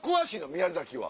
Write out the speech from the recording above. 宮崎は。